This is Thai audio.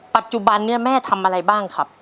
ปัจจุบันนี้แม่ทำอะไรบ้างครับ